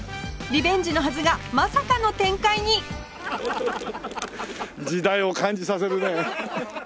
リベンジのはずがまさかの展開に時代を感じさせるね。